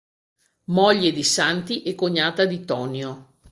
Moglie di Santi e cognata di Tonio.